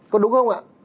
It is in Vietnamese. có đúng không ạ